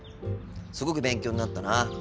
すごく勉強になったな。